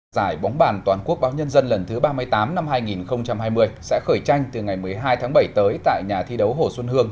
giải bóng bàn toàn quốc báo nhân dân lần thứ ba mươi tám năm hai nghìn hai mươi sẽ khởi tranh từ ngày một mươi hai tháng bảy tới tại nhà thi đấu hồ xuân hương